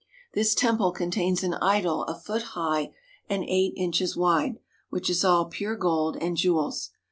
This temple contains an idol a foot high and eight inches wide, which is all pure gold and jewels.